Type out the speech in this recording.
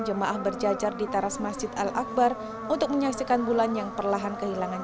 jemaah berjajar di teras masjid al akbar untuk menyaksikan bulan yang perlahan kehilangan